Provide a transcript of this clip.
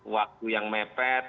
waktu yang mepet